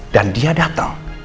dan dia dateng